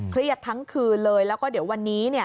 เรียกทั้งคืนเลยแล้วก็เดี๋ยววันนี้